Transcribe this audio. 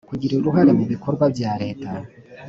kugira uruhare mu bikorwa bya leta